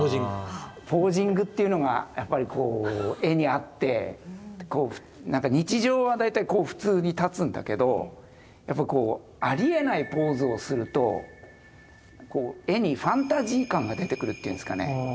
ポージングっていうのがやっぱりこう絵にあって日常は大体こう普通に立つんだけどやっぱりありえないポーズをすると絵にファンタジー感が出てくるっていうんですかね。